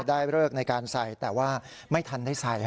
ได้เลิกในการใส่แต่ว่าไม่ทันได้ใส่